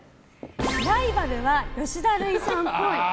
ライバルは吉田類さんっぽい。